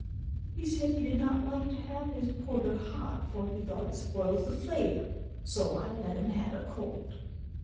He said he did not like to have his porter hot, for he thought it spoilt the flavour, so I let him have it cold.